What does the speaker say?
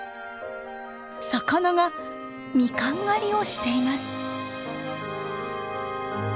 魚がミカン狩りをしています。